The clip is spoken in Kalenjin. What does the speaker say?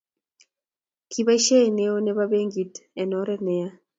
kiboishe neo nebo benkit en oret neya